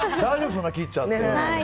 そんな切っちゃって。